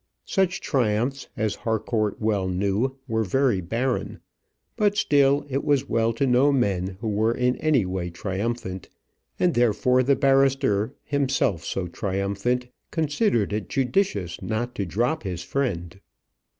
Such triumphs, as Harcourt well knew, were very barren; but still it was well to know men who were in any way triumphant; and therefore the barrister, himself so triumphant, considered it judicious not to drop his friend.